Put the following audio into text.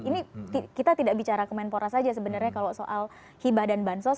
ini kita tidak bicara kemenpora saja sebenarnya kalau soal hibah dan bansos